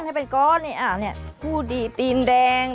นี่สะแค้งคู่หลีปีนแดง